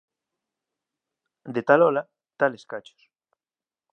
De tal ola, tales cachos